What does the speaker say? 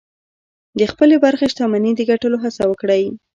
د خپلې برخې شتمني د ګټلو هڅه وکړئ.